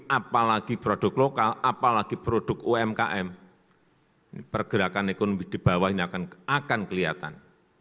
apalagi produk lokal apalagi produk umkm pergerakan ekonomi di bawah ini akan kelihatan